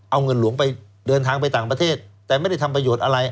เอาเงินหลวงไปเดินทางไปต่างประเทศแต่ไม่ได้ทำประโยชน์อะไร